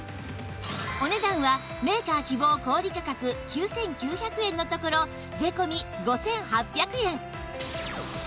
お値段はメーカー希望小売価格９９００円のところ税込５８００円